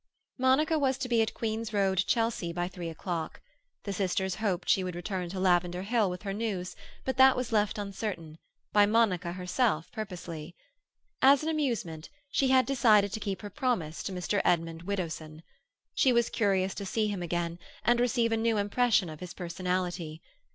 Monica was to be at Queen's Road, Chelsea, by three o'clock. The sisters hoped she would return to Lavender Hill with her news, but that was left uncertain—by Monica herself purposely. As an amusement, she had decided to keep her promise to Mr. Edmund Widdowson. She was curious to see him again, and receive a new impression of his personality.